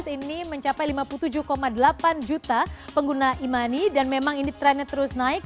ini mencapai lima puluh tujuh delapan juta pengguna e money dan memang ini trennya terus naik